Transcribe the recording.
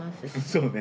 そうね。